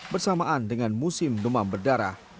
bersamaan dengan musim demam berdarah